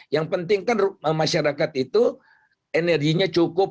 yang penting kan masyarakat itu energinya cukup